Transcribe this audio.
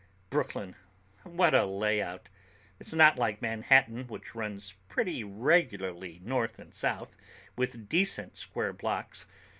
Brooklyn, what a layout. It's not like Manhattan, which runs pretty regularly north and south, with decent square blocks.